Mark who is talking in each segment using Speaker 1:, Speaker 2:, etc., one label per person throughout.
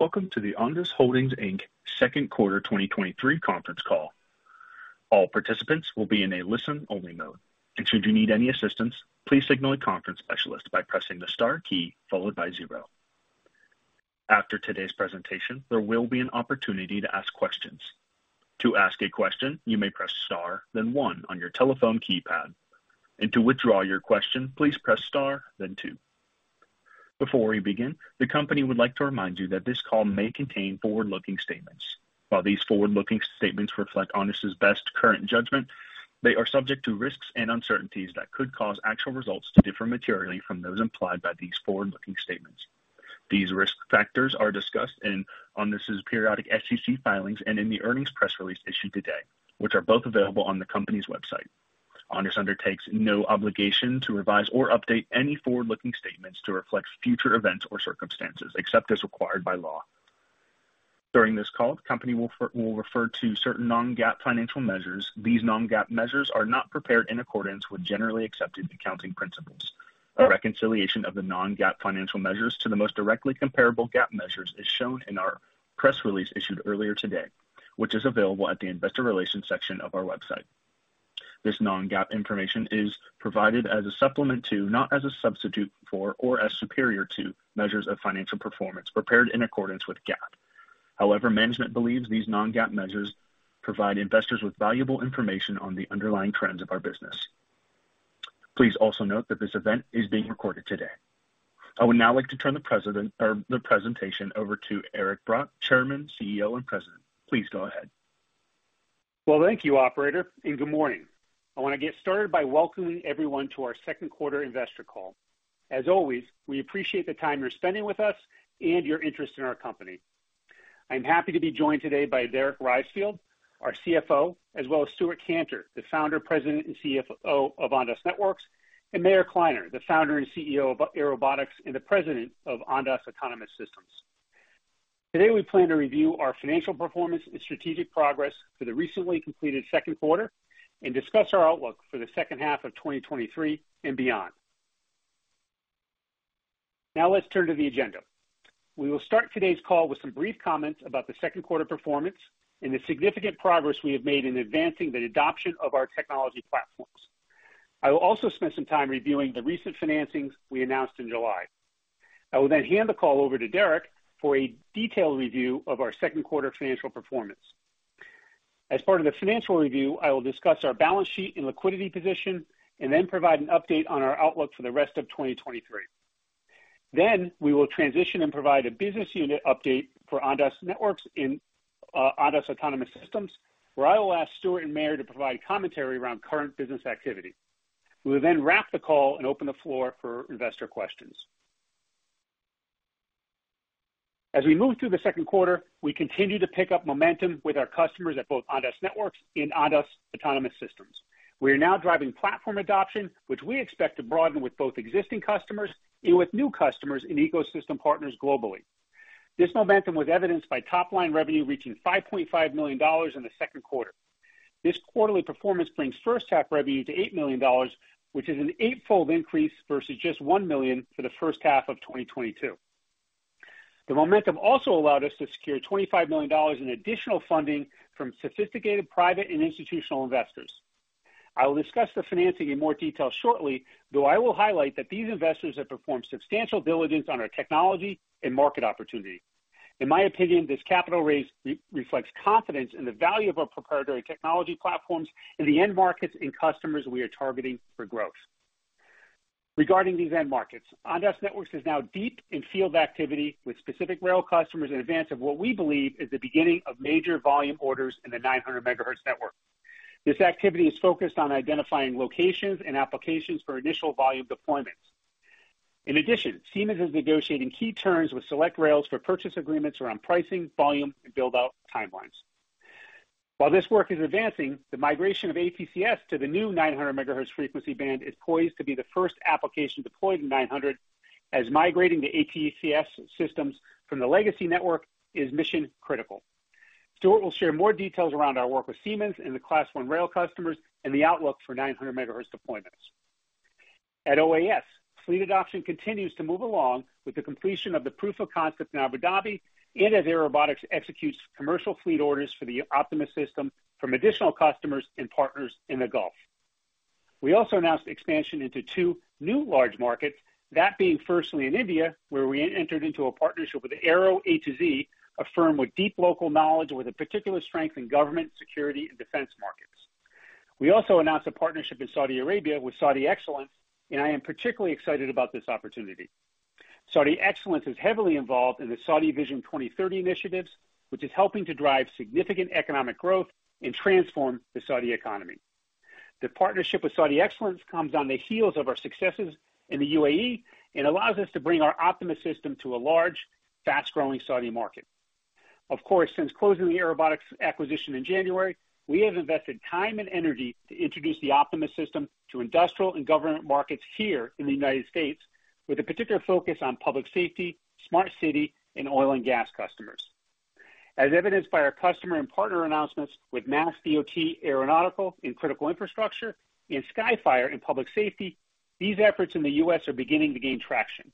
Speaker 1: Welcome to the Ondas Holdings Inc second quarter 2023 conference call. All participants will be in a listen-only mode, and should you need any assistance, please signal a conference specialist by pressing the star key followed by zero. After today's presentation, there will be an opportunity to ask questions. To ask a question, you may press star, then one on your telephone keypad, and to withdraw your question, please press star, then two. Before we begin, the company would like to remind you that this call may contain forward-looking statements. While these forward-looking statements reflect Ondas's best current judgment, they are subject to risks and uncertainties that could cause actual results to differ materially from those implied by these forward-looking statements. These risk factors are discussed in Ondas's periodic SEC filings and in the earnings press release issued today, which are both available on the company's website. Ondas undertakes no obligation to revise or update any forward-looking statements to reflect future events or circumstances, except as required by law. During this call, the company will refer to certain non-GAAP financial measures. These non-GAAP measures are not prepared in accordance with Generally Accepted Accounting Principles. A reconciliation of the non-GAAP financial measures to the most directly comparable GAAP measures is shown in our press release issued earlier today, which is available at the investor relations section of our website. This non-GAAP information is provided as a supplement to, not as a substitute for or as superior to, measures of financial performance prepared in accordance with GAAP. However, management believes these non-GAAP measures provide investors with valuable information on the underlying trends of our business. Please also note that this event is being recorded today. I would now like to turn the president-- or the presentation over to Eric Brock, Chairman, CEO, and President. Please go ahead.
Speaker 2: Well, thank you, operator, and good morning. I want to get started by welcoming everyone to our second quarter investor call. As always, we appreciate the time you're spending with us and your interest in our company. I'm happy to be joined today by Derek Reisfield, our CFO, as well as Stewart Kantor, the Founder, President, and CFO of Ondas Networks, and Meir Kliner, the Founder and CEO of Airobotics, and the President of Ondas Autonomous Systems. Today, we plan to review our financial performance and strategic progress for the recently completed second quarter and discuss our outlook for the second half of 2023 and beyond. Now let's turn to the agenda. We will start today's call with some brief comments about the second quarter performance and the significant progress we have made in advancing the adoption of our technology platforms. I will also spend some time reviewing the recent financings we announced in July. I will then hand the call over to Derek for a detailed review of our second quarter financial performance. As part of the financial review, I will discuss our balance sheet and liquidity position and then provide an update on our outlook for the rest of 2023. We will transition and provide a business unit update for Ondas Networks and Ondas Autonomous Systems, where I will ask Stewart and Meir Kliner to provide commentary around current business activity. We will then wrap the call and open the floor for investor questions. As we move through the second quarter, we continue to pick up momentum with our customers at both Ondas Networks and Ondas Autonomous Systems. We are now driving platform adoption, which we expect to broaden with both existing customers and with new customers and ecosystem partners globally. This momentum was evidenced by top-line revenue reaching $5.5 million in the second quarter. This quarterly performance brings first half revenue to $8 million, which is an 8-fold increase versus just $1 million for the first half of 2022. The momentum also allowed us to secure $25 million in additional funding from sophisticated private and institutional investors. I will discuss the financing in more detail shortly, though I will highlight that these investors have performed substantial diligence on our technology and market opportunity. In my opinion, this capital raise reflects confidence in the value of our proprietary technology platforms and the end markets and customers we are targeting for growth. Regarding these end markets, Ondas Networks is now deep in field activity with specific rail customers in advance of what we believe is the beginning of major volume orders in the 900 MHz network. This activity is focused on identifying locations and applications for initial volume deployments. In addition, Siemens is negotiating key terms with select rails for purchase agreements around pricing, volume, and build-out timelines. While this work is advancing, the migration of ATCS to the new 900 MHz frequency band is poised to be the first application deployed in 900 as migrating the ATCS systems from the legacy network is mission-critical. Stewart will share more details around our work with Siemens and the Class I rail customers and the outlook for 900 MHz deployments. At OAS, fleet adoption continues to move along with the completion of the proof of concept in Abu Dhabi and as Airobotics executes commercial fleet orders for the Optimus System from additional customers and partners in the Gulf. We also announced expansion into two new large markets, that being firstly in India, where we entered into a partnership with Aero A-Z, a firm with deep local knowledge with a particular strength in government, security and defense markets. We also announced a partnership in Saudi Arabia with Saudi Excellence Co., and I am particularly excited about this opportunity. Saudi Excellence Co. is heavily involved in the Saudi Vision 2030 initiatives, which is helping to drive significant economic growth and transform the Saudi economy. The partnership with Saudi Excellence comes on the heels of our successes in the UAE and allows us to bring our Optimus System to a large, fast-growing Saudi market. Of course, since closing the Airobotics acquisition in January, we have invested time and energy to introduce the Optimus System to industrial and government markets here in the United States, with a particular focus on public safety, smart city, and oil and gas customers. As evidenced by our customer and partner announcements with MassDOT Aeronautical in critical infrastructure and SkyFire in public safety, these efforts in the U.S. are beginning to gain traction.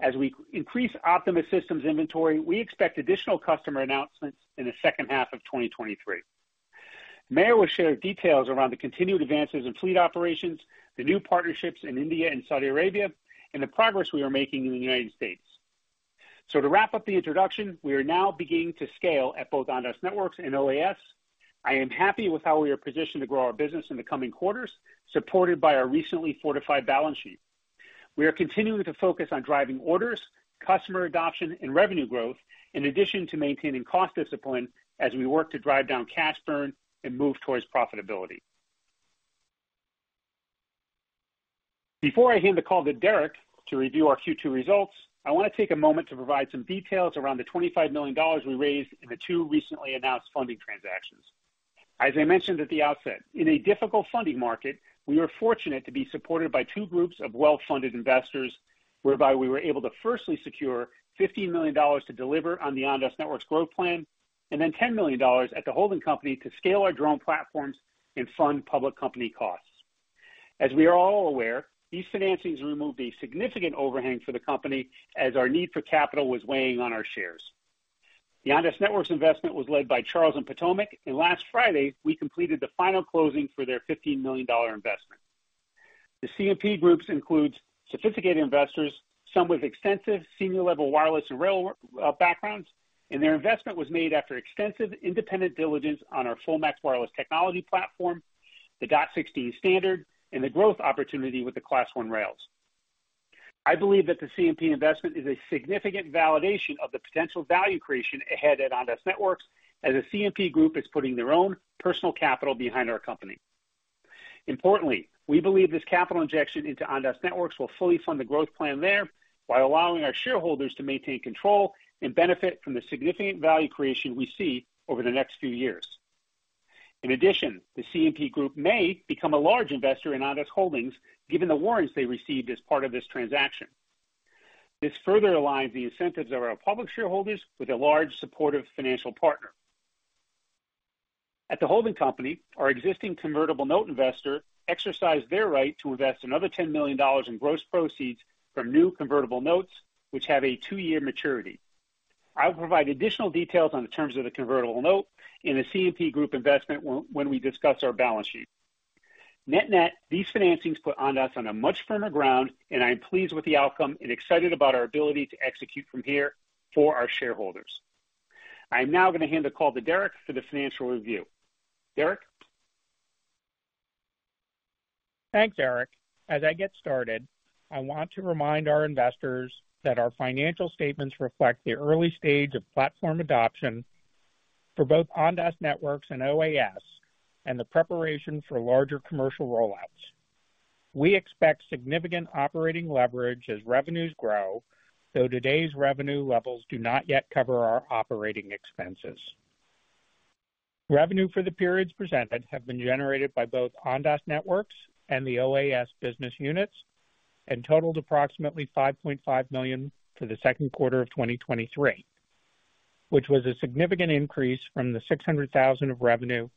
Speaker 2: As we increase Optimus Systems inventory, we expect additional customer announcements in the second half of 2023. Meir will share details around the continued advances in fleet operations, the new partnerships in India and Saudi Arabia, and the progress we are making in the United States. To wrap up the introduction, we are now beginning to scale at both Ondas Networks and OAS. I am happy with how we are positioned to grow our business in the coming quarters, supported by our recently fortified balance sheet. We are continuing to focus on driving orders, customer adoption, and revenue growth, in addition to maintaining cost discipline as we work to drive down cash burn and move towards profitability. Before I hand the call to Derek to review our Q2 results, I want to take a moment to provide some details around the $25 million we raised in the two recently announced funding transactions. As I mentioned at the outset, in a difficult funding market, we were fortunate to be supported by two groups of well-funded investors, whereby we were able to firstly secure $15 million to deliver on the Ondas Networks growth plan and then $10 million at the holding company to scale our drone platforms and fund public company costs. As we are all aware, these financings removed a significant overhang for the company as our need for capital was weighing on our shares. The Ondas Networks investment was led by Charles & Potomac, and last Friday, we completed the final closing for their $15 million investment. The C&P Group includes sophisticated investors, some with extensive senior-level wireless and rail backgrounds. Their investment was made after extensive independent diligence on our FullMAX wireless technology platform, the DOT-16 standard, and the growth opportunity with the Class I rails. I believe that the C&P investment is a significant validation of the potential value creation ahead at Ondas Networks, as the C&P Group is putting their own personal capital behind our company. Importantly, we believe this capital injection into Ondas Networks will fully fund the growth plan there, while allowing our shareholders to maintain control and benefit from the significant value creation we see over the next few years. In addition, the C&P Group may become a large investor in Ondas Holdings, given the warrants they received as part of this transaction. This further aligns the incentives of our public shareholders with a large, supportive financial partner. At the holding company, our existing convertible note investor exercised their right to invest another $10 million in gross proceeds from new convertible notes, which have a two-year maturity. I will provide additional details on the terms of the convertible note and the C&P Group investment when we discuss our balance sheet. Net-net, these financings put Ondas on a much firmer ground, and I am pleased with the outcome and excited about our ability to execute from here for our shareholders. I'm now going to hand the call to Derek for the financial review. Derek?
Speaker 3: Thanks, Eric. As I get started, I want to remind our investors that our financial statements reflect the early stage of platform adoption for both Ondas Networks and OAS and the preparation for larger commercial rollouts. We expect significant operating leverage as revenues grow, though today's revenue levels do not yet cover our operating expenses. Revenue for the periods presented have been generated by both Ondas Networks and the OAS business units and totaled approximately $5.5 million for the second quarter of 2023, which was a significant increase from the $600,000 of revenue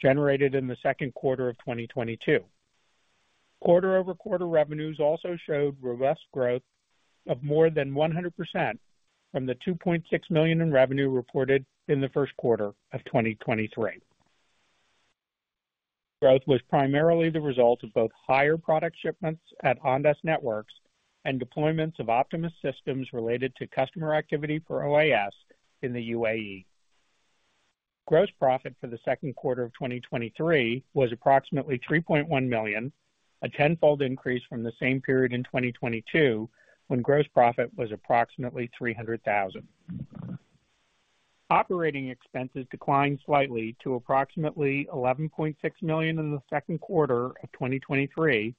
Speaker 3: generated in the second quarter of 2022. Quarter-over-quarter revenues also showed robust growth of more than 100% from the $2.6 million in revenue reported in the first quarter of 2023. Growth was primarily the result of both higher product shipments at Ondas Networks and deployments of Optimus systems related to customer activity for OAS in the UAE. Gross profit for the second quarter of 2023 was approximately $3.1 million, a tenfold increase from the same period in 2022, when gross profit was approximately $300,000. Operating expenses declined slightly to approximately $11.6 million in the second quarter of 2023,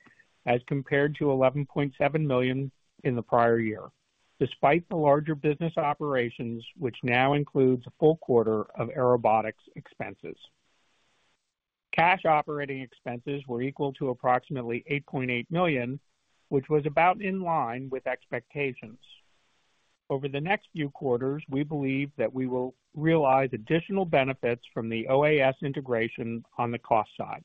Speaker 3: as compared to $11.7 million in the prior year, despite the larger business operations, which now includes a full quarter of Airobotics expenses. Cash operating expenses were equal to approximately $8.8 million, which was about in line with expectations. Over the next few quarters, we believe that we will realize additional benefits from the OAS integration on the cost side.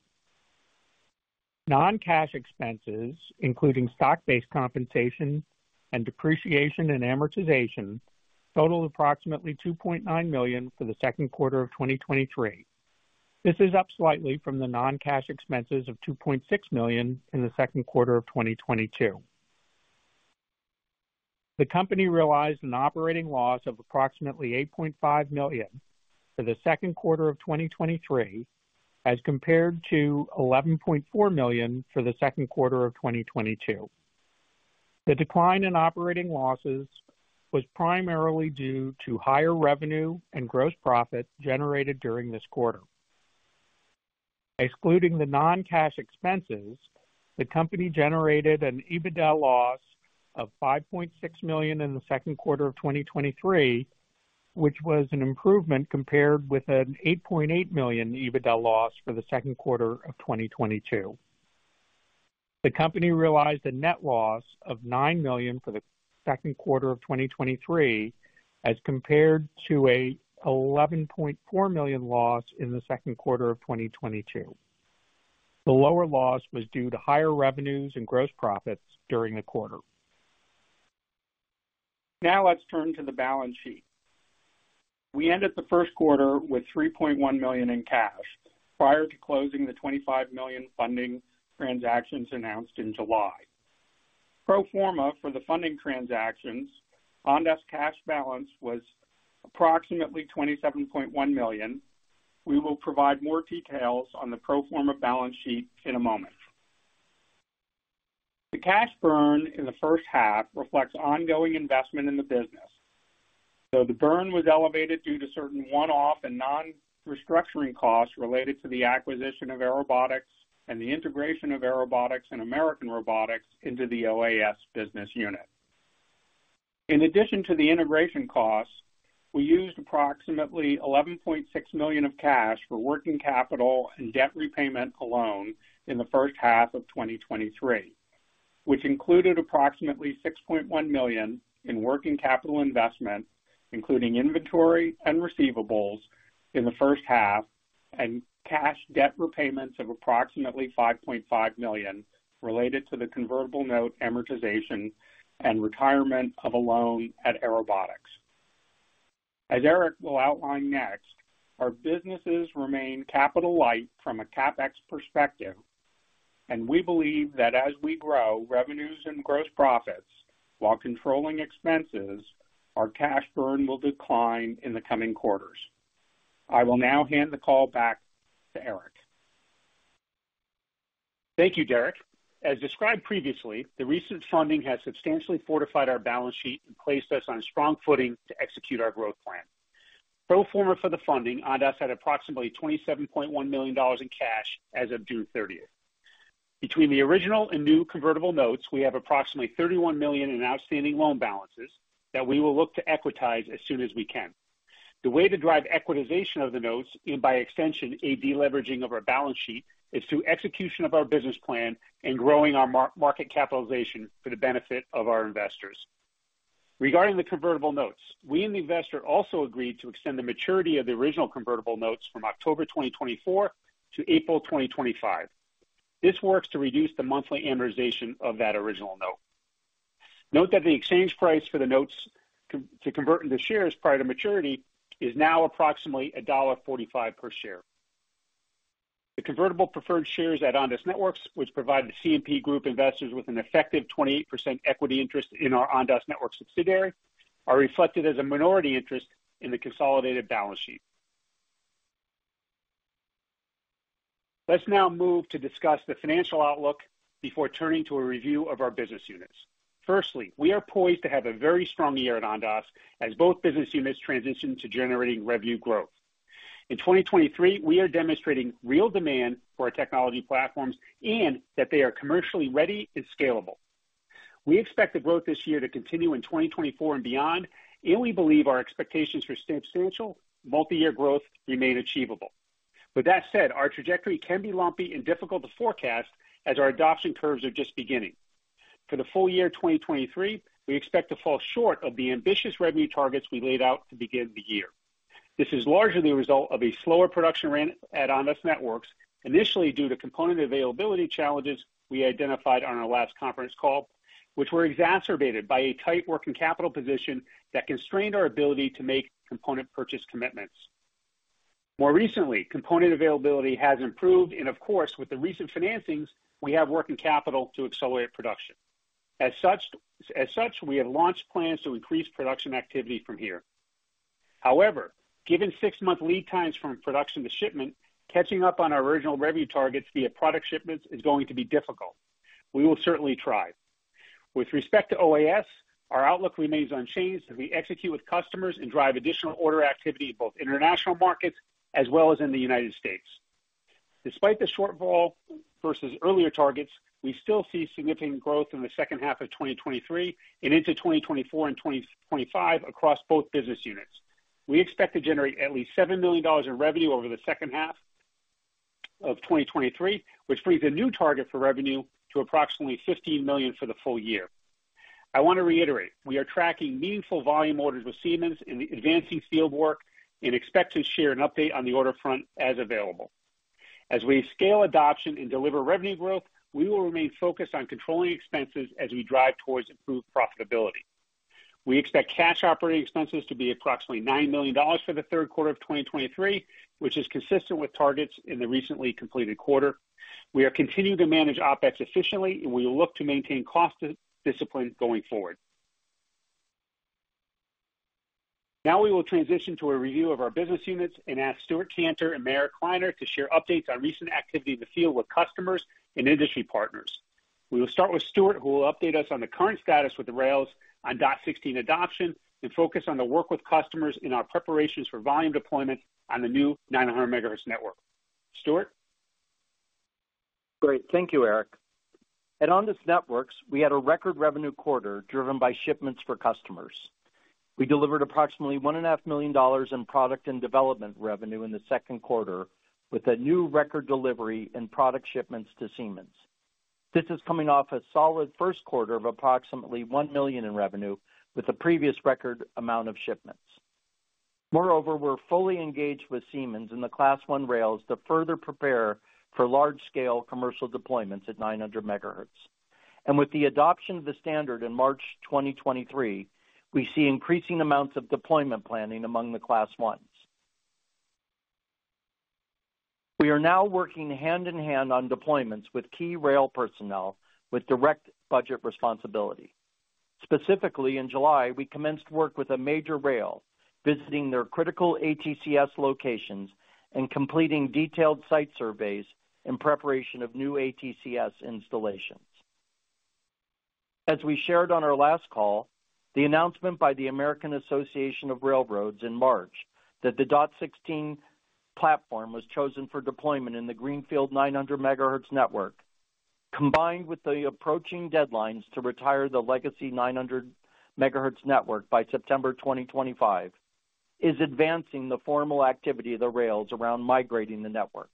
Speaker 3: Non-cash expenses, including stock-based compensation and depreciation and amortization, totaled approximately $2.9 million for the second quarter of 2023. This is up slightly from the non-cash expenses of $2.6 million in the second quarter of 2022. The company realized an operating loss of approximately $8.5 million for the second quarter of 2023, as compared to $11.4 million for the second quarter of 2022. The decline in operating losses was primarily due to higher revenue and gross profit generated during this quarter. Excluding the non-cash expenses, the company generated an EBITDA loss of $5.6 million in the second quarter of 2023, which was an improvement compared with an $8.8 million EBITDA loss for the second quarter of 2022. The company realized a net loss of $9 million for the second quarter of 2023, as compared to a $11.4 million loss in the second quarter of 2022. The lower loss was due to higher revenues and gross profits during the quarter. Now let's turn to the balance sheet. We ended the first quarter with $3.1 million in cash, prior to closing the $25 million funding transactions announced in July. Pro forma for the funding transactions, Ondas cash balance was approximately $27.1 million. We will provide more details on the pro forma balance sheet in a moment. The cash burn in the first half reflects ongoing investment in the business, though the burn was elevated due to certain one-off and non-restructuring costs related to the acquisition of Airobotics and the integration of Airobotics and American Robotics into the OAS business unit. In addition to the integration costs, we used approximately $11.6 million of cash for working capital and debt repayment alone in the first half of 2023, which included approximately $6.1 million in working capital investment, including inventory and receivables in the first half, and cash debt repayments of approximately $5.5 million, related to the convertible note amortization and retirement of a loan at Airobotics. As Eric will outline next, our businesses remain capital light from a CapEx perspective, and we believe that as we grow revenues and gross profits while controlling expenses, our cash burn will decline in the coming quarters. I will now hand the call back to Eric.
Speaker 2: Thank you, Derek. As described previously, the recent funding has substantially fortified our balance sheet and placed us on strong footing to execute our growth plan. Pro forma for the funding, Ondas had approximately $27.1 million in cash as of June 30th. Between the original and new convertible notes, we have approximately $31 million in outstanding loan balances that we will look to equitize as soon as we can. The way to drive equitization of the notes, and by extension, a deleveraging of our balance sheet, is through execution of our business plan and growing our market capitalization for the benefit of our investors. Regarding the convertible notes, we and the investor also agreed to extend the maturity of the original convertible notes from October 2024 to April 2025. This works to reduce the monthly amortization of that original note. Note that the exchange price for the notes to, to convert into shares prior to maturity is now approximately $1.45 per share. The convertible preferred shares at Ondas Networks, which provide the C&P Group investors with an effective 28% equity interest in our Ondas Networks subsidiary, are reflected as a minority interest in the consolidated balance sheet. Let's now move to discuss the financial outlook before turning to a review of our business units. Firstly, we are poised to have a very strong year at Ondas as both business units transition to generating revenue growth. In 2023, we are demonstrating real demand for our technology platforms and that they are commercially ready and scalable. We expect the growth this year to continue in 2024 and beyond, and we believe our expectations for substantial multi-year growth remain achievable. With that said, our trajectory can be lumpy and difficult to forecast as our adoption curves are just beginning. For the full year 2023, we expect to fall short of the ambitious revenue targets we laid out to begin the year. This is largely the result of a slower production run at Ondas Networks, initially due to component availability challenges we identified on our last conference call, which were exacerbated by a tight working capital position that constrained our ability to make component purchase commitments. More recently, component availability has improved, and of course, with the recent financings, we have working capital to accelerate production. As such, as such, we have launched plans to increase production activity from here. However, given six-month lead times from production to shipment, catching up on our original revenue targets via product shipments is going to be difficult. We will certainly try. With respect to OAS, our outlook remains unchanged as we execute with customers and drive additional order activity in both international markets as well as in the United States. Despite the shortfall versus earlier targets, we still see significant growth in the second half of 2023 and into 2024 and 2025 across both business units. We expect to generate at least $7 million in revenue over the second half of 2023, which brings a new target for revenue to approximately $15 million for the full year. I want to reiterate, we are tracking meaningful volume orders with Siemens in the advancing field work and expect to share an update on the order front as available. As we scale adoption and deliver revenue growth, we will remain focused on controlling expenses as we drive towards improved profitability. We expect cash operating expenses to be approximately $9 million for the third quarter of 2023, which is consistent with targets in the recently completed quarter. We are continuing to manage OpEx efficiently, and we will look to maintain cost discipline going forward. Now we will transition to a review of our business units and ask Stewart Kantor and Meir Kliner to share updates on recent activity in the field with customers and industry partners. We will start with Stewart, who will update us on the current status with the rails on DOT-16 adoption and focus on the work with customers in our preparations for volume deployment on the new 900 MHz network. Stewart?
Speaker 4: Great. Thank you, Eric. At Ondas Networks, we had a record revenue quarter driven by shipments for customers. We delivered approximately $1.5 million in product and development revenue in the second quarter, with a new record delivery in product shipments to Siemens. This is coming off a solid first quarter of approximately $1 million in revenue, with a previous record amount of shipments. Moreover, we're fully engaged with Siemens in the Class One rails to further prepare for large-scale commercial deployments at 900 MHz. With the adoption of the standard in March 2023, we see increasing amounts of deployment planning among the Class Ones. We are now working hand-in-hand on deployments with key rail personnel with direct budget responsibility. Specifically, in July, we commenced work with a major rail, visiting their critical ATCS locations and completing detailed site surveys in preparation of new ATCS installations. As we shared on our last call, the announcement by the Association of American Railroads in March, that the DOT-16 platform was chosen for deployment in the Greenfield 900 MHz network, combined with the approaching deadlines to retire the legacy 900 MHz network by September 2025, is advancing the formal activity of the rails around migrating the network.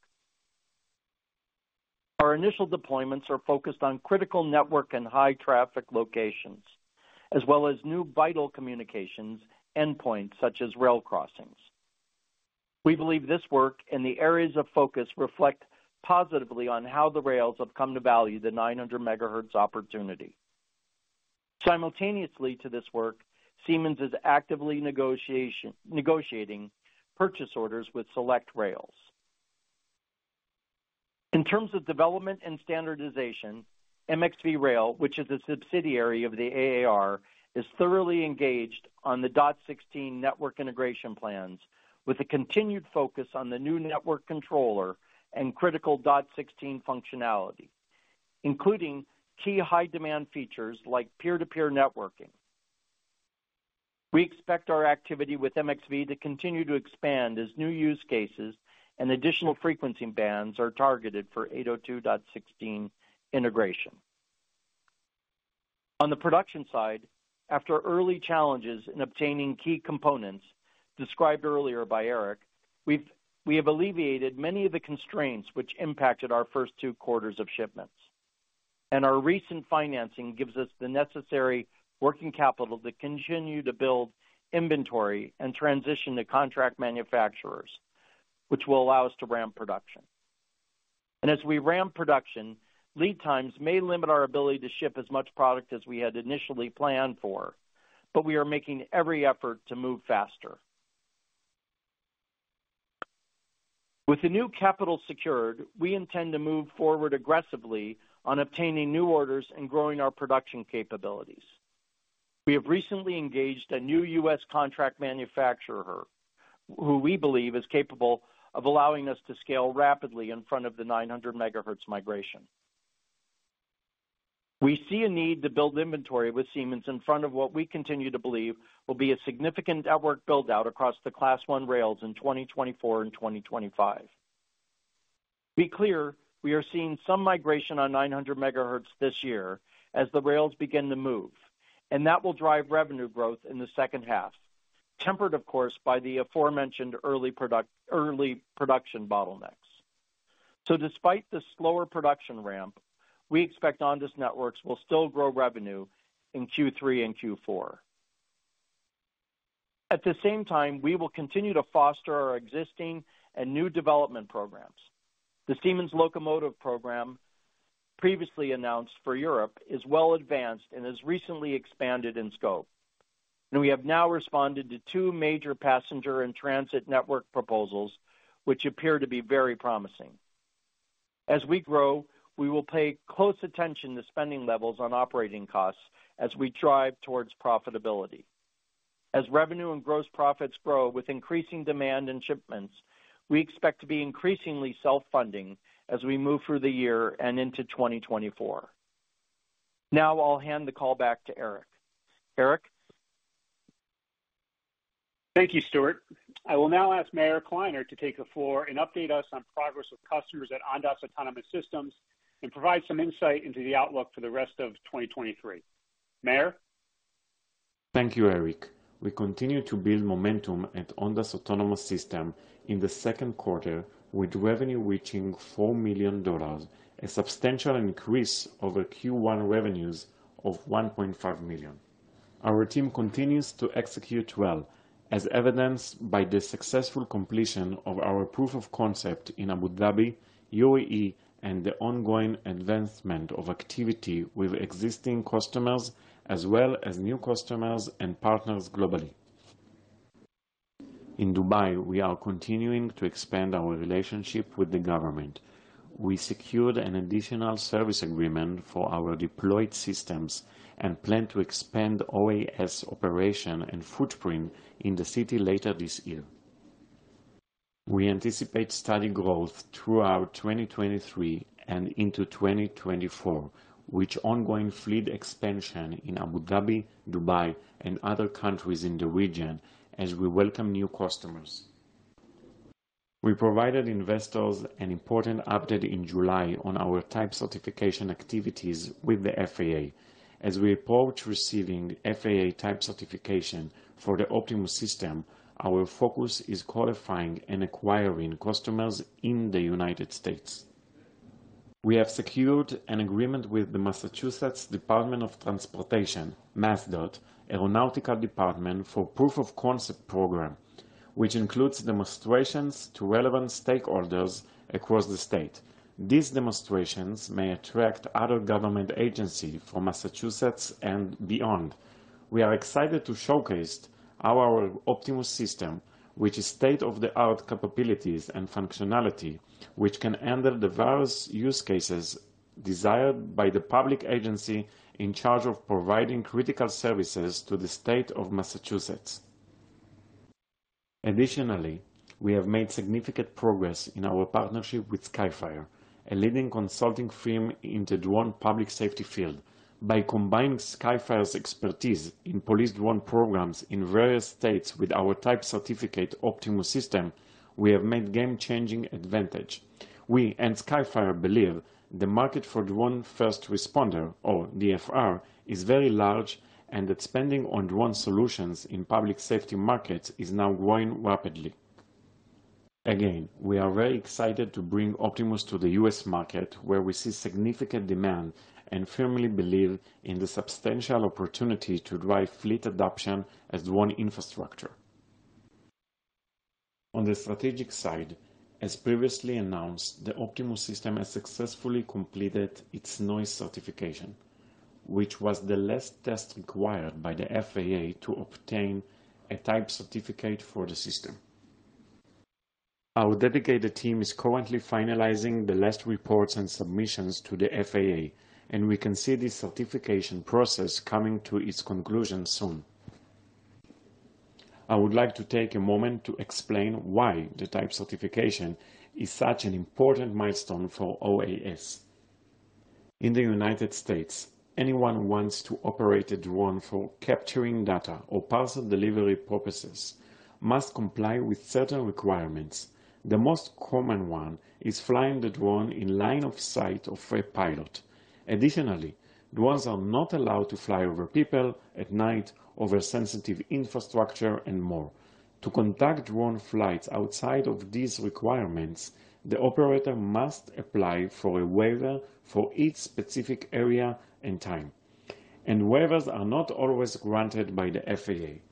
Speaker 4: Our initial deployments are focused on critical network and high traffic locations, as well as new vital communications endpoints, such as rail crossings. We believe this work and the areas of focus reflect positively on how the rails have come to value the 900 MHz opportunity. Simultaneously to this work, Siemens is actively negotiating purchase orders with select rails. In terms of development and standardization, MXV Rail, which is a subsidiary of the AAR, is thoroughly engaged on the DOT-16 network integration plans, with a continued focus on the new network controller and critical DOT-16 functionality, including key high demand features like peer-to-peer networking. We expect our activity with MXV to continue to expand as new use cases and additional frequency bands are targeted for 802.16t integration. On the production side, after early challenges in obtaining key components described earlier by Eric, we've we have alleviated many of the constraints which impacted our first two quarters of shipments. Our recent financing gives us the necessary working capital to continue to build inventory and transition to contract manufacturers, which will allow us to ramp production. As we ramp production, lead times may limit our ability to ship as much product as we had initially planned for, but we are making every effort to move faster. With the new capital secured, we intend to move forward aggressively on obtaining new orders and growing our production capabilities. We have recently engaged a new U.S. contract manufacturer, who we believe is capable of allowing us to scale rapidly in front of the 900 MHz migration. We see a need to build inventory with Siemens in front of what we continue to believe will be a significant network build-out across the Class 1 rails in 2024 and 2025. Be clear, we are seeing some migration on 900 MHz this year as the rails begin to move. That will drive revenue growth in the second half, tempered, of course, by the aforementioned early product, early production bottlenecks. Despite the slower production ramp, we expect Ondas Networks will still grow revenue in Q3 and Q4. At the same time, we will continue to foster our existing and new development programs. The Siemens Locomotive Program, previously announced for Europe, is well advanced and has recently expanded in scope. We have now responded to two major passenger and transit network proposals, which appear to be very promising. As we grow, we will pay close attention to spending levels on operating costs as we drive towards profitability. As revenue and gross profits grow with increasing demand and shipments, we expect to be increasingly self-funding as we move through the year and into 2024. I'll hand the call back to Eric. Eric?
Speaker 2: Thank you, Stewart. I will now ask Meir Kliner to take the floor and update us on progress with customers at Ondas Autonomous Systems and provide some insight into the outlook for the rest of 2023. Meir?
Speaker 5: Thank you, Eric. We continue to build momentum at Ondas Autonomous Systems in the second quarter, with revenue reaching $4 million, a substantial increase over Q1 revenues of $1.5 million. Our team continues to execute well, as evidenced by the successful completion of our proof of concept in Abu Dhabi, UAE, and the ongoing advancement of activity with existing customers as well as new customers and partners globally. In Dubai, we are continuing to expand our relationship with the government. We secured an additional service agreement for our deployed systems and plan to expand OAS operation and footprint in the city later this year. We anticipate steady growth throughout 2023 and into 2024, with ongoing fleet expansion in Abu Dhabi, Dubai, and other countries in the region as we welcome new customers.... We provided investors an important update in July on our Type Certification activities with the FAA. As we approach receiving FAA Type Certification for the Optimus System, our focus is qualifying and acquiring customers in the United States. We have secured an agreement with the Massachusetts Department of Transportation, MassDOT, Aeronautical Department, for proof-of-concept program, which includes demonstrations to relevant stakeholders across the state. These demonstrations may attract other government agency from Massachusetts and beyond. We are excited to showcase our Optimus System, which is state-of-the-art capabilities and functionality, which can handle the various use cases desired by the public agency in charge of providing critical services to the state of Massachusetts. Additionally, we have made significant progress in our partnership with SkyFire, a leading consulting firm in the drone public safety field. By combining SkyFire's expertise in police drone programs in various states with our type certificate, Optimus System, we have made game-changing advantage. We and SkyFire believe the market for Drone First Responder, or DFR, is very large and that spending on drone solutions in public safety markets is now growing rapidly. Again, we are very excited to bring Optimus to the US market, where we see significant demand and firmly believe in the substantial opportunity to drive fleet adoption as drone infrastructure. On the strategic side, as previously announced, the Optimus System has successfully completed its noise certification, which was the last test required by the FAA to obtain a type certificate for the system. Our dedicated team is currently finalizing the last reports and submissions to the FAA, we can see this certification process coming to its conclusion soon. I would like to take a moment to explain why the Type Certification is such an important milestone for OAS. In the United States, anyone who wants to operate a drone for capturing data or parcel delivery purposes must comply with certain requirements. The most common one is flying the drone in line of sight of a pilot. Additionally, drones are not allowed to fly over people, at night, over sensitive infrastructure, and more. To conduct drone flights outside of these requirements, the operator must apply for a waiver for each specific area and time, and waivers are not always granted by the FAA.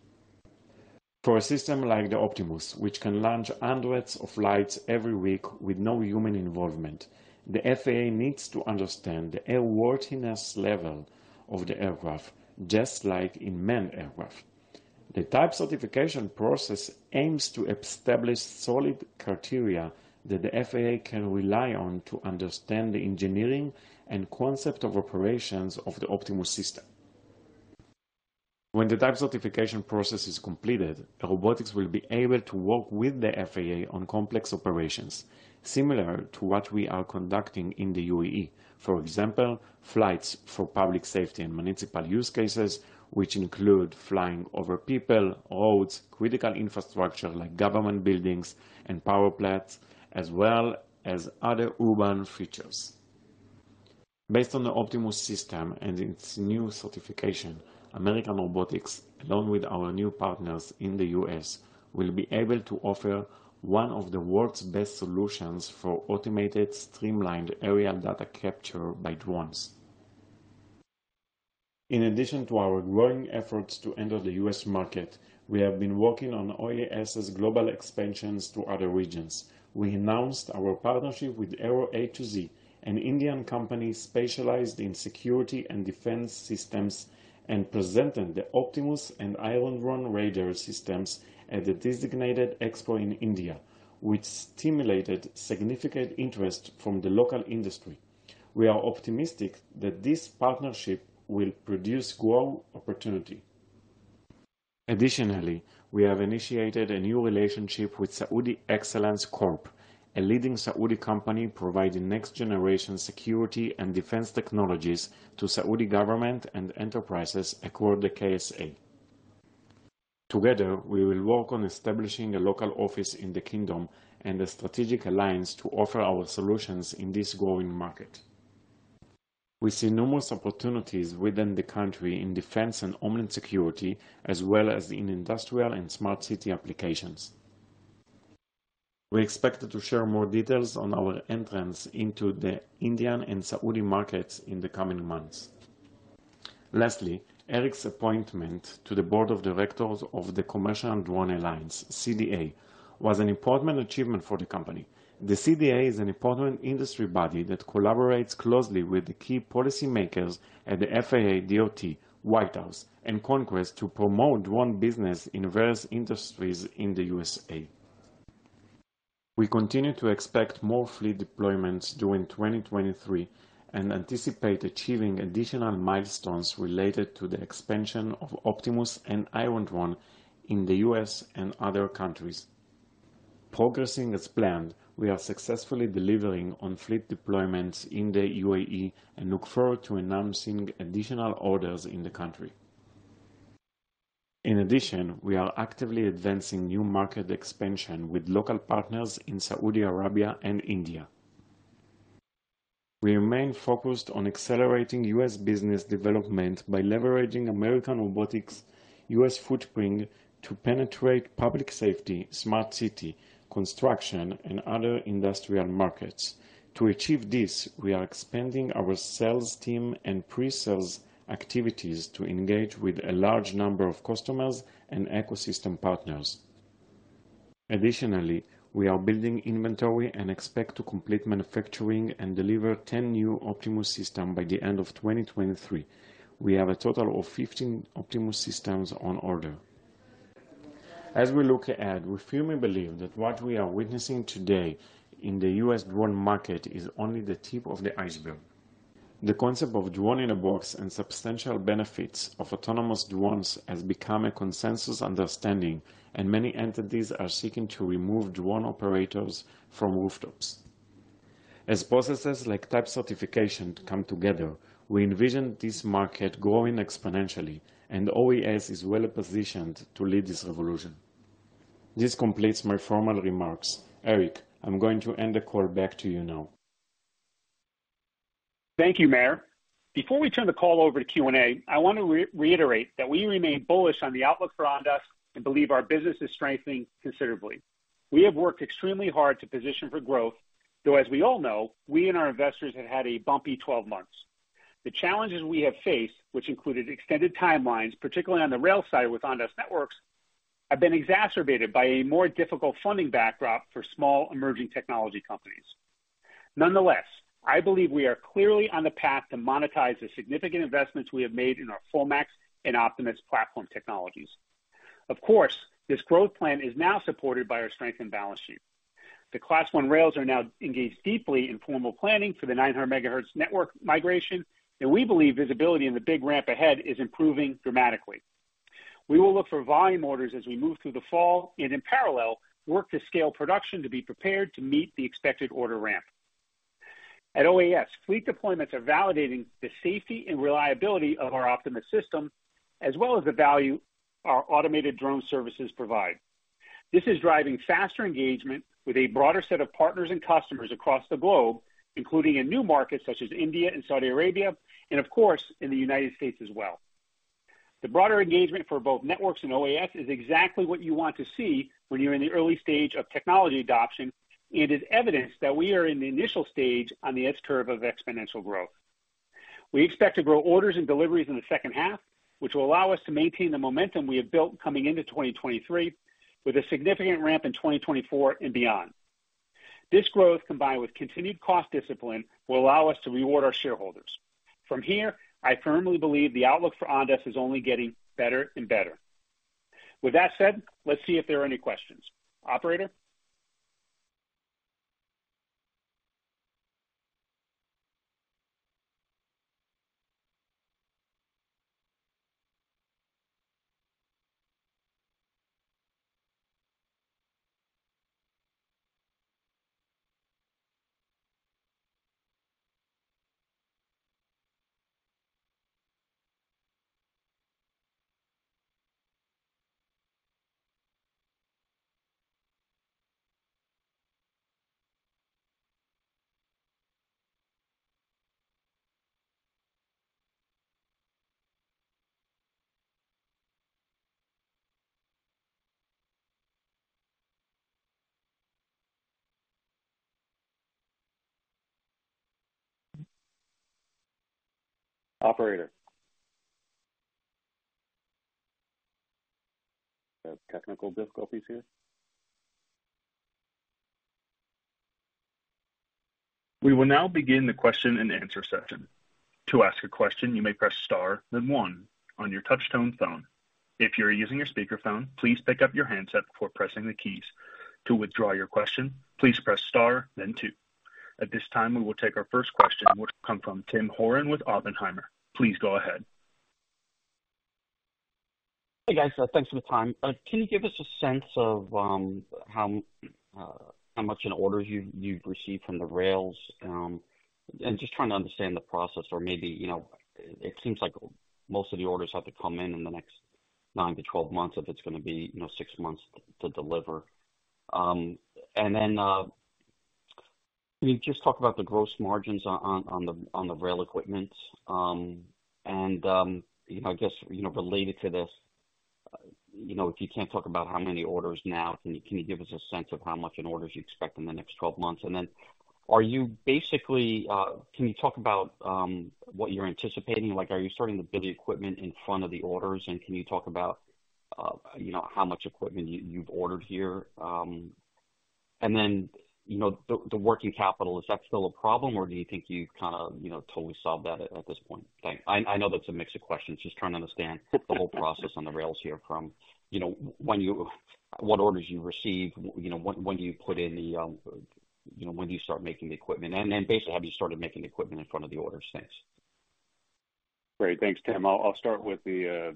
Speaker 5: For a system like the Optimus, which can launch hundreds of flights every week with no human involvement, the FAA needs to understand the airworthiness level of the aircraft, just like in manned aircraft. The Type Certification process aims to establish solid criteria that the FAA can rely on to understand the engineering and concept of operations of the Optimus System. When the Type Certification process is completed, robotics will be able to work with the FAA on complex operations, similar to what we are conducting in the UAE. For example, flights for public safety and municipal use cases, which include flying over people, roads, critical infrastructure like government buildings and power plants, as well as other urban features. Based on the Optimus System and its new certification, American Robotics, along with our new partners in the U.S., will be able to offer one of the world's best solutions for automated, streamlined aerial data capture by drones. In addition to our growing efforts to enter the US market, we have been working on OAS's global expansions to other regions. We announced our partnership with Aero A to Z, an Indian company specialized in security and defense systems, and presented the Optimus and Iron Drone radar systems at the designated expo in India, which stimulated significant interest from the local industry. We are optimistic that this partnership will produce growth opportunity. Additionally, we have initiated a new relationship with Saudi Excellence Corp, a leading Saudi company providing next-generation security and defense technologies to Saudi government and enterprises across the KSA. Together, we will work on establishing a local office in the kingdom and a strategic alliance to offer our solutions in this growing market. We see numerous opportunities within the country in defense and homeland security, as well as in industrial and smart city applications. We expect to share more details on our entrance into the Indian and Saudi markets in the coming months. Lastly, Eric's appointment to the board of directors of the Commercial Drone Alliance, CDA, was an important achievement for the company. The CDA is an important industry body that collaborates closely with the key policymakers at the FAA, DOT, White House, and Congress to promote drone business in various industries in the USA. We continue to expect more fleet deployments during 2023 and anticipate achieving additional milestones related to the expansion of Optimus and Iron Drone in the U.S. and other countries. Progressing as planned, we are successfully delivering on fleet deployments in the UAE and look forward to announcing additional orders in the country. In addition, we are actively advancing new market expansion with local partners in Saudi Arabia and India. We remain focused on accelerating U.S. business development by leveraging American Robotics, U.S. footprint to penetrate public safety, smart city, construction, and other industrial markets. To achieve this, we are expanding our sales team and pre-sales activities to engage with a large number of customers and ecosystem partners. Additionally, we are building inventory and expect to complete manufacturing and deliver 10 new Optimus Systems by the end of 2023. We have a total of 15 Optimus Systems on order. As we look ahead, we firmly believe that what we are witnessing today in the US drone market is only the tip of the iceberg. The concept of drone in a box and substantial benefits of autonomous drones has become a consensus understanding, and many entities are seeking to remove drone operators from rooftops. As processes like Type Certification come together, we envision this market growing exponentially, and OAS is well positioned to lead this revolution. This completes my formal remarks. Eric, I'm going to end the call back to you now.
Speaker 2: Thank you, Meir. Before we turn the call over to Q&A, I want to re-reiterate that we remain bullish on the outlook for Ondas Holdings and believe our business is strengthening considerably. We have worked extremely hard to position for growth, though, as we all know, we and our investors have had a bumpy 12 months. The challenges we have faced, which included extended timelines, particularly on the rail side with Ondas Networks, have been exacerbated by a more difficult funding backdrop for small emerging technology companies. Nonetheless, I believe we are clearly on the path to monetize the significant investments we have made in our FullMAX and Optimus platform technologies. Of course, this growth plan is now supported by our strength and balance sheet. The Class I rails are now engaged deeply in formal planning for the 900 MHz network migration, and we believe visibility in the big ramp ahead is improving dramatically. We will look for volume orders as we move through the fall and in parallel, work to scale production to be prepared to meet the expected order ramp. At OAS, fleet deployments are validating the safety and reliability of our Optimus System, as well as the value our automated drone services provide. This is driving faster engagement with a broader set of partners and customers across the globe, including in new markets such as India and Saudi Arabia, and of course, in the United States as well. The broader engagement for both Ondas Networks and OAS is exactly what you want to see when you're in the early stage of technology adoption, and is evidence that we are in the initial stage on the S-curve of exponential growth. We expect to grow orders and deliveries in the second half, which will allow us to maintain the momentum we have built coming into 2023, with a significant ramp in 2024 and beyond. This growth, combined with continued cost discipline, will allow us to reward our shareholders. From here, I firmly believe the outlook for Ondas Holdings is only getting better and better. With that said, let's see if there are any questions. Operator? Operator? We have technical difficulties here.
Speaker 1: We will now begin the question and answer session. To ask a question, you may press Star, then one on your touchtone phone. If you're using your speakerphone, please pick up your handset before pressing the keys. To withdraw your question, please press Star then two. At this time, we will take our first question, which will come from Tim Horan with Oppenheimer. Please go ahead.
Speaker 6: Hey, guys. Thanks for the time. Can you give us a sense of how how much an orders you've, you've received from the rails? Just trying to understand the process, or maybe, you know, it seems like most of the orders have to come in in the next nine-12 months, if it's going to be, you know, six months to deliver. Then, can you just talk about the gross margins on, on, on the, on the rail equipment? You know, I guess, you know, related to this, you know, if you can't talk about how many orders now, can you, can you give us a sense of how much in orders you expect in the next 12 months? Then are you basically, can you talk about what you're anticipating? Like, are you starting to build the equipment in front of the orders, and can you talk about, you know, how much equipment you, you've ordered here? You know, the, the working capital, is that still a problem, or do you think you've kind of, you know, totally solved that at this point? I, I know that's a mix of questions. Just trying to understand the whole process on the rails here from, you know, what orders you receive, you know, when, when do you put in the, you know, when do you start making the equipment? Basically, have you started making equipment in front of the order? Thanks.
Speaker 2: Great. Thanks, Tim. I'll, I'll start with the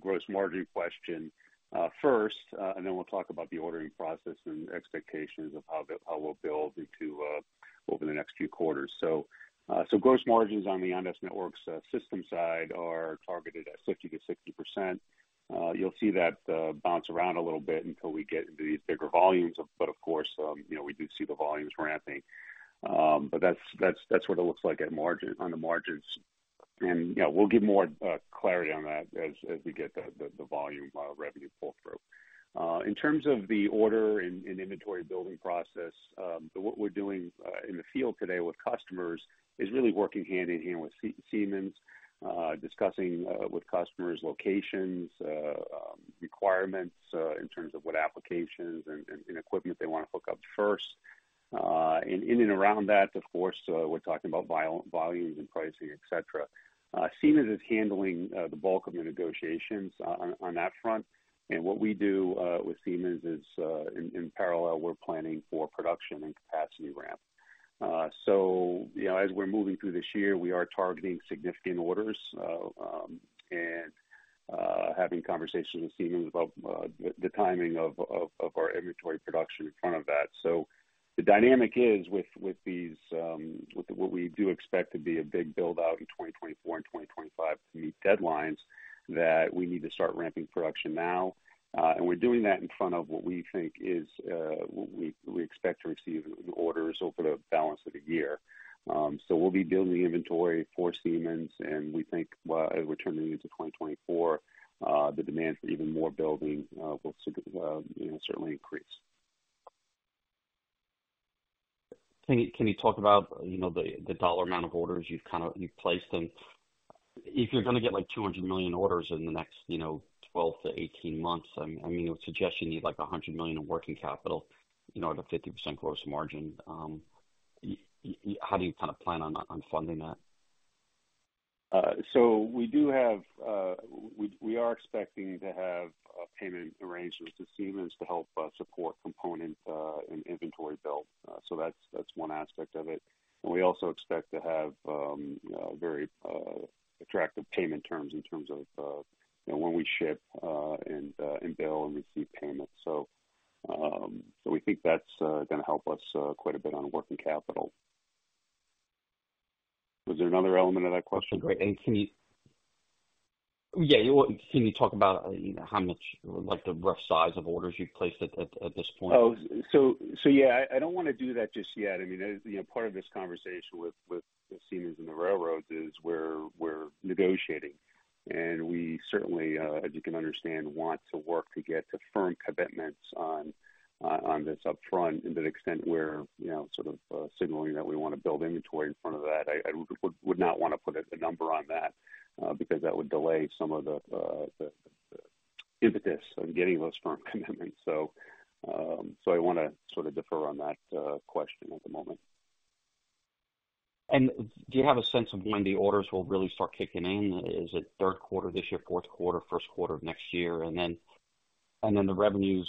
Speaker 2: gross margin question first and then we'll talk about the ordering process and expectations of how we'll build into over the next few quarters. Gross margins on the Ondas Networks system side are targeted at 50%-60%. You'll see that bounce around a little bit until we get into these bigger volumes. But of course, you know, we do see the volumes ramping. But that's, that's, that's what it looks like at margin, on the margins. Yeah, we'll give more clarity on that as, as we get the, the, the volume revenue pull through. In terms of the order and, and inventory building process, so what we're doing in the field today with customers is really working hand-in-hand with Siemens, discussing with customers' locations, requirements, in terms of what applications and, and, and equipment they want to hook up first. In and around that, of course, we're talking about volumes and pricing, et cetera. Siemens is handling the bulk of the negotiations on, on that front. What we do with Siemens is, in parallel, we're planning for production and capacity ramp. You know, as we're moving through this year, we are targeting significant orders, and having conversations with Siemens about the timing of our inventory production in front of that. The dynamic is with, with these, with what we do expect to be a big build-out in 2024 and 2025 to meet deadlines, that we need to start ramping production now. We're doing that in front of what we think is, what we, we expect to receive orders over the balance of the year. We'll be building the inventory for Siemens, and we think, as we're turning into 2024, the demand for even more building, will, you know, certainly increase.
Speaker 6: Can you, can you talk about, you know, the, the dollar amount of orders you've kind of You've placed them? If you're going to get, like, $200 million orders in the next, you know, 12-18 months, I mean, I mean, it would suggest you need, like, $100 million in working capital in order to 50% gross margin. How do you kind of plan on, on funding that?
Speaker 2: We do have, we are expecting to have payment arrangements with Siemens to help support component and inventory build. That's one aspect of it. We also expect to have very attractive payment terms in terms of, you know, when we ship and bill and receive payment. We think that's going to help us quite a bit on working capital. Was there another element of that question?
Speaker 6: Great. Yeah, well, can you talk about, you know, how much, like, the rough size of orders you've placed at this point?
Speaker 2: Oh, so, so, yeah, I, I don't want to do that just yet. I mean, as, you know, part of this conversation with, with, with Siemens and the railroads is we're, we're negotiating, and we certainly, as you can understand, want to work to get to firm commitments on this upfront to the extent we're, you know, sort of, signaling that we want to build inventory in front of that. I, I would, would not want to put a number on that, because that would delay some of the, the, the impetus on getting those firm commitments. So I want to sort of defer on that question at the moment.
Speaker 6: Do you have a sense of when the orders will really start kicking in? Is it third quarter this year, fourth quarter, first quarter of next year? Then, and then the revenues,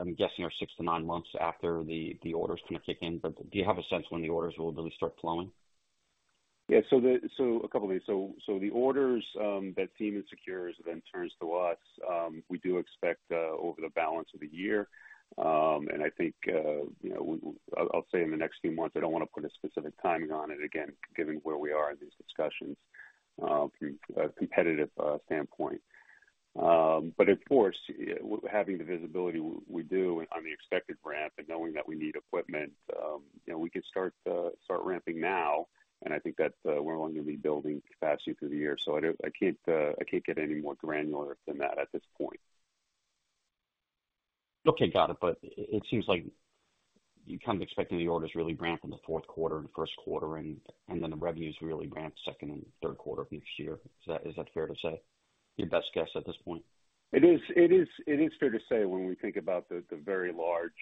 Speaker 6: I'm guessing, are six to nine months after the, the orders kind of kick in. Do you have a sense when the orders will really start flowing?
Speaker 2: Yeah. A couple of things. The orders, that Siemens secures then turns to us, we do expect over the balance of the year. I think, you know, I'll say in the next few months, I don't want to put a specific timing on it, again, given where we are in these discussions, from a competitive standpoint. Of course, having the visibility we do on the expected ramp and knowing that we need equipment, you know, we can start, start ramping now, and I think that, we're going to be building capacity through the year. I don't, I can't, I can't get any more granular than that at this point.
Speaker 6: Okay, got it. It seems like you're kind of expecting the orders really ramp in the fourth quarter and first quarter, and, and then the revenues really ramp second and third quarter of next year. Is that, is that fair to say, your best guess at this point?
Speaker 2: It is, it is, it is fair to say when we think about the, the very large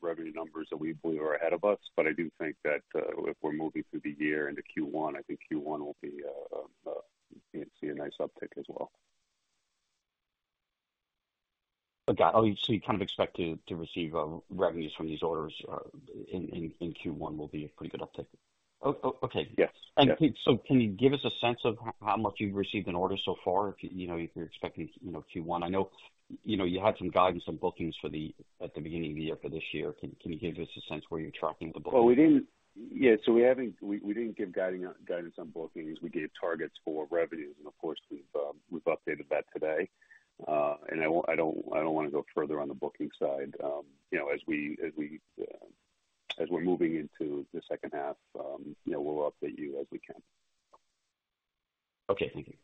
Speaker 2: revenue numbers that we believe are ahead of us. I do think that if we're moving through the year into Q1, I think Q1 will be see a nice uptick as well.
Speaker 6: Got it. You kind of expect to receive revenues from these orders in Q1 will be a pretty good uptick. Okay.
Speaker 2: Yes.
Speaker 6: So can you give us a sense of how much you've received an order so far? If, you know, if you're expecting, you know, Q1? I know, you know, you had some guidance on bookings at the beginning of the year for this year. Can, can you give us a sense where you're tracking the bookings?
Speaker 2: Well, we didn't. Yeah, we didn't give guiding guidance on bookings. We gave targets for revenues. Of course, we've updated that today. I don't want to go further on the booking side. you know, as we, as we're moving into the second half, you know, we'll update you as we can.
Speaker 6: Okay. Thank you.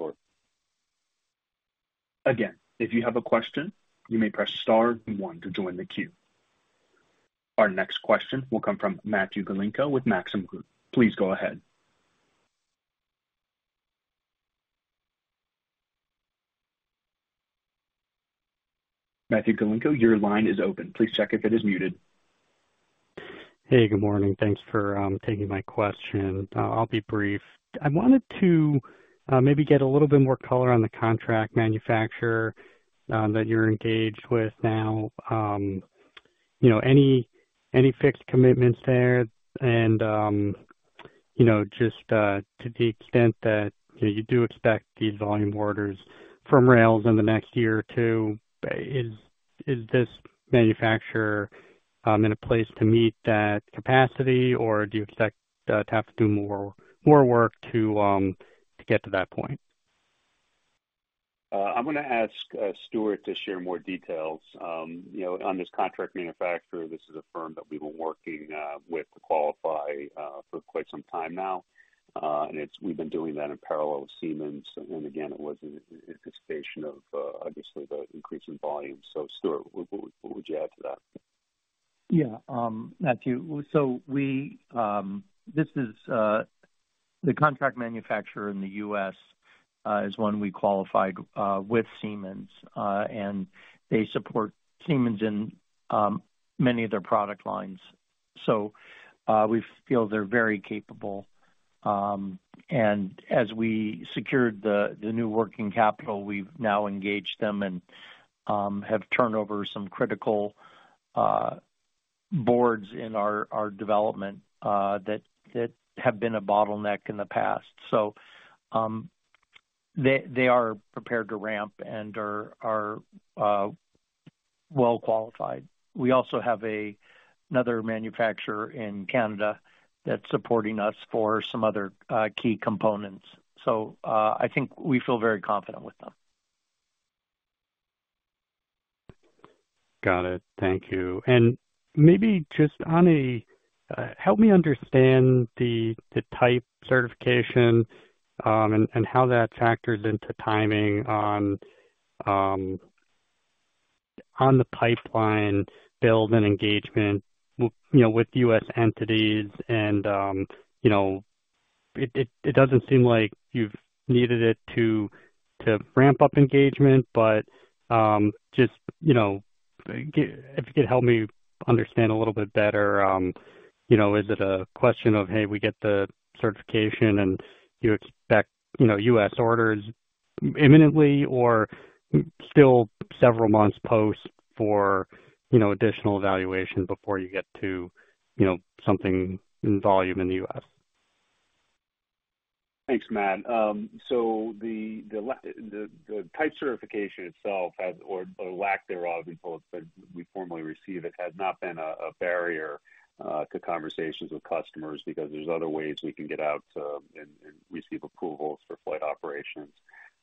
Speaker 2: Sure.
Speaker 1: Again, if you have a question, you may press star one to join the queue. Our next question will come from Matthew Galinko with Maxim Group. Please go ahead. Matthew Galinko, your line is open. Please check if it is muted.
Speaker 7: Hey, good morning. Thanks for taking my question. I'll be brief. I wanted to maybe get a little bit more color on the contract manufacturer that you're engaged with now, you know, any, any fixed commitments there? You know, just to the extent that, you know, you do expect these volume orders from rails in the next year or two, is this manufacturer in a place to meet that capacity, or do you expect to have to do more, more work to get to that point?
Speaker 2: I'm going to ask Stewart to share more details. You know, on this contract manufacturer, this is a firm that we've been working with to qualify for quite some time now. It's, we've been doing that in parallel with Siemens. Again, it was in anticipation of, obviously, the increase in volume. Stewart, what, what would you add to that?
Speaker 4: Yeah, Matthew, we, this is, the contract manufacturer in the U.S., is one we qualified with Siemens, and they support Siemens in many of their product lines. We feel they're very capable. As we secured the, the new working capital, we've now engaged them and, have turned over some critical, boards in our, our development, that, that have been a bottleneck in the past. They, they are prepared to ramp and are, are, well qualified. We also have a, another manufacturer in Canada that's supporting us for some other, key components. I think we feel very confident with them.
Speaker 7: Got it. Thank you. Maybe just, Ani, help me understand the, the type certification, and, and how that factors into timing on, on the pipeline build and engagement, you know, with U.S. entities and, you know, it, it, it doesn't seem like you've needed it to, to ramp up engagement, but, just, you know, if you could help me understand a little bit better, you know, is it a question of, hey, we get the certification and you expect, you know, U.S. orders imminently or still several months post for, you know, additional evaluation before you get to, you know, something in volume in the U.S.?
Speaker 2: Thanks, Matt. The, the, the type certification itself has, or, or lack thereof, we formally receive it, has not been a, a barrier to conversations with customers because there's other ways we can get out to and, and receive approvals for flight operations.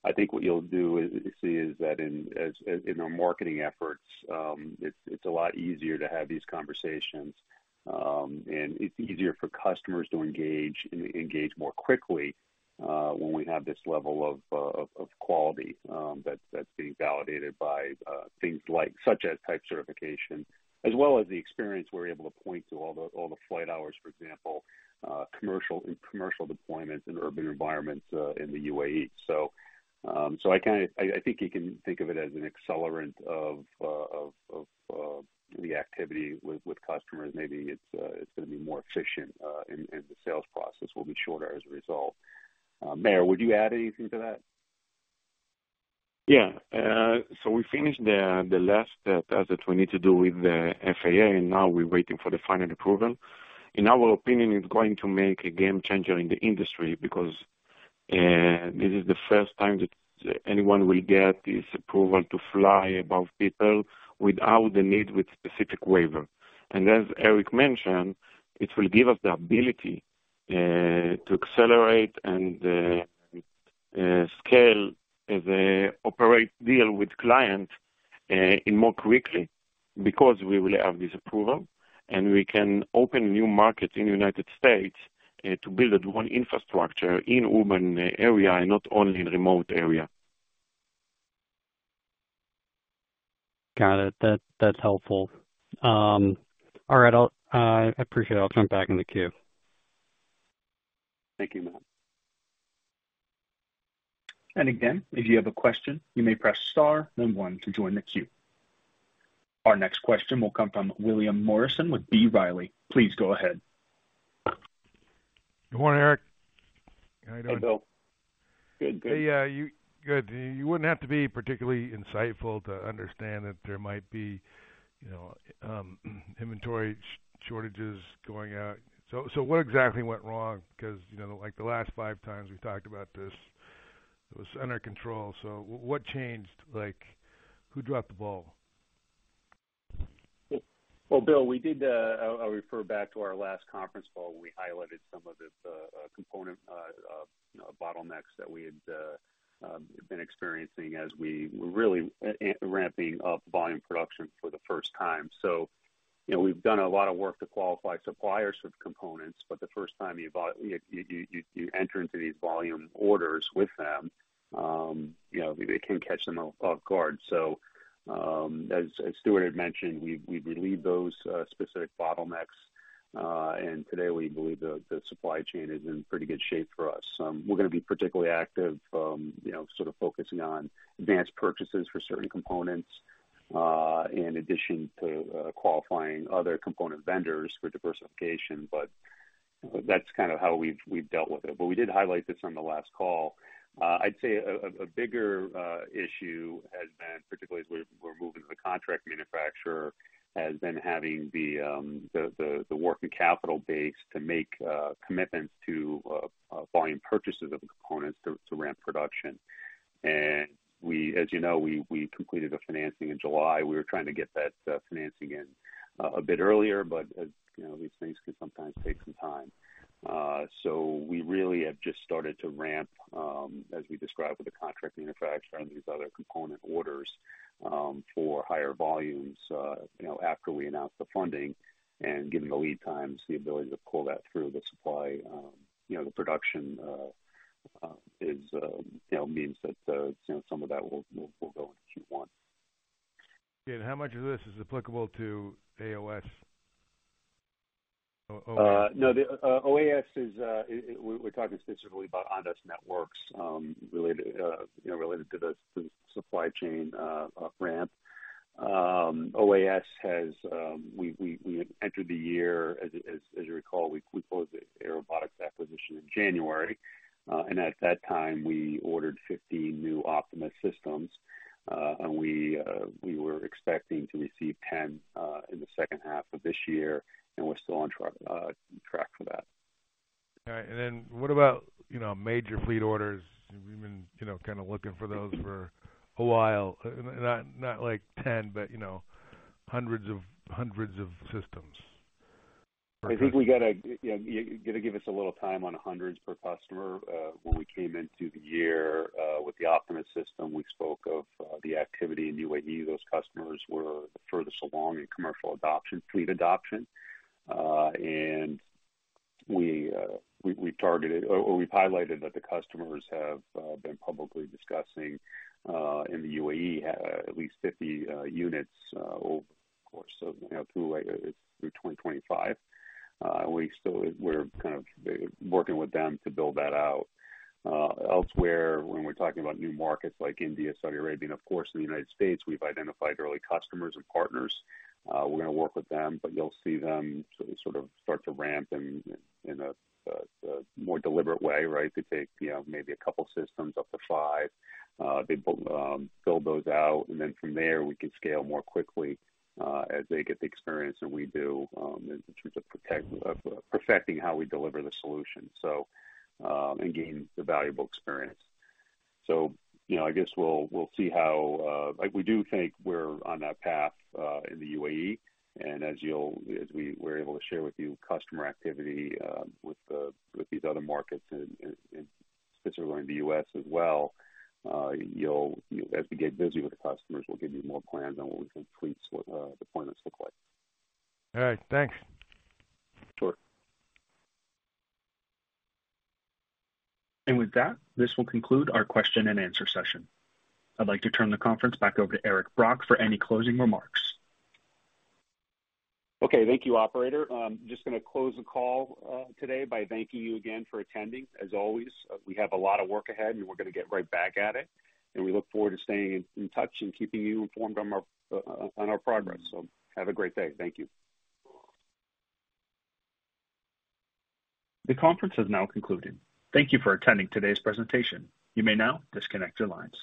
Speaker 2: I think what you'll do is, is that in, as, in our marketing efforts, it's, it's a lot easier to have these conversations, and it's easier for customers to engage, engage more quickly, when we have this level of, of, of quality that's, that's being validated by things like, such as type certification, as well as the experience we're able to point to all the, all the flight hours, for example, commercial, in commercial deployments in urban environments, in the UAE. I kind of... I think you can think of it as an accelerant of the activity with customers. Maybe it's going to be more efficient, and the sales process will be shorter as a result. Meir, would you add anything to that?
Speaker 5: Yeah. We finished the last test that we need to do with the FAA, and now we're waiting for the final approval. In our opinion, it's going to make a game changer in the industry because this is the first time that anyone will get this approval to fly above people without the need with specific waiver. As Eric mentioned, it will give us the ability to accelerate and scale, operate, deal with clients in more quickly because we will have this approval. We can open new markets in the United States to build one infrastructure in urban area and not only in remote area.
Speaker 7: Got it. That, that's helpful. All right, I'll, I appreciate it. I'll jump back in the queue.
Speaker 2: Thank you, Matt.
Speaker 1: Again, if you have a question, you may press Star, then one to join the queue. Our next question will come from William Morrison with B. Riley. Please go ahead.
Speaker 8: Good morning, Eric. How you doing?
Speaker 2: Hey, Bill. Good. Good.
Speaker 8: Yeah, you... Good. You wouldn't have to be particularly insightful to understand that there might be, you know, inventory shortages going out. What exactly went wrong? Because, you know, like, the last five times we talked about this, it was under control. What changed? Like, who dropped the ball?
Speaker 2: Well, Bill, we did, I'll refer back to our last conference call where we highlighted some of the component, you know, bottlenecks that we had been experiencing as we were really ramping up volume production for the first time. You know, we've done a lot of work to qualify suppliers with components, but the first time you buy, you, you, you enter into these volume orders with them, you know, it can catch them off guard. As Stewart Kantor had mentioned, we, we believe those specific bottlenecks, and today we believe the supply chain is in pretty good shape for us. We're going to be particularly active, you know, sort of focusing on advanced purchases for certain components, in addition to qualifying other component vendors for diversification. That's kind of how we've, we've dealt with it. We did highlight this on the last call. I'd say a bigger issue has been, particularly as we're moving to the contract manufacturer, has been having the working capital base to make commitments to volume purchases of the components to ramp production. We, as you know, we completed a financing in July. We were trying to get that financing in a bit earlier, but as you know, these things can sometimes take some time. We really have just started to ramp, as we described with the contract manufacturer and these other component orders, for higher volumes, you know, after we announced the funding and given the lead times, the ability to pull that through the supply, you know, the production, is, you know, means that, some of that will, will go into Q1.
Speaker 8: How much of this is applicable to OAS?
Speaker 2: No, the OAS is we're talking specifically about Ondas Networks, related, you know, related to the, the supply chain ramp. OAS has, we, we, we entered the year, as, as you recall, we closed the Airobotics acquisition in January. At that time, we ordered 50 new Optimus systems. We, we were expecting to receive 10 in the second half of this year, and we're still on track, track for that.
Speaker 8: All right. What about, you know, major fleet orders? You've been, you know, kind of looking for those for a while. Not, not like 10, but, you know, hundreds of systems.
Speaker 2: I think we got to, you know, you got to give us a little time on hundreds per customer. When we came into the year, with the Optimus System, we spoke of the activity in UAE. Those customers were the furthest along in commercial adoption, fleet adoption. We, we targeted, or we've highlighted that the customers have been publicly discussing in the UAE, at least 50 units over the course of, you know, through 2025. We still we're kind of working with them to build that out. Elsewhere, when we're talking about new markets like India, Saudi Arabia, and of course, in the United States, we've identified early customers and partners. We're going to work with them, you'll see them sort of start to ramp in, in a more deliberate way, right? To take, you know, maybe a couple systems up to five. They build, build those out, then from there, we can scale more quickly, as they get the experience and we do, in terms of perfecting how we deliver the solution, and gain the valuable experience. You know, I guess we'll, we'll see how. Like, we do think we're on that path in the UAE. As you'll, as we were able to share with you, customer activity, with the, with these other markets, and, and specifically in the U.S. as well, you'll, as we get busy with the customers, we'll give you more plans on what we think fleets, deployments look like.
Speaker 8: All right. Thanks.
Speaker 2: Sure.
Speaker 1: With that, this will conclude our question and answer session. I'd like to turn the conference back over to Eric Brock for any closing remarks.
Speaker 2: Okay, thank you, operator. I'm just going to close the call, today by thanking you again for attending. As always, we have a lot of work ahead, and we're going to get right back at it, and we look forward to staying in touch and keeping you informed on our, on our progress. Have a great day. Thank you.
Speaker 1: The conference has now concluded. Thank you for attending today's presentation. You may now disconnect your lines.